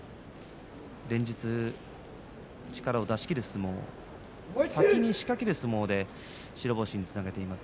連日、力を出し切る相撲先に仕掛ける相撲で白星につなげています。